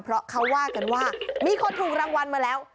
เพราะเขาว่ากันว่ามีคนถูกรางวัลมาแล้ว